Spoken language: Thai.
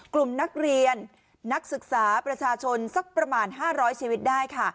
กลุ่มนักเรียนนักศึกษาประชาชนสักประมาณ๕๐๐ชีวิตได้ค่ะ